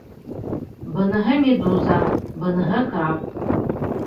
Быныһы медуза, быныһы краб...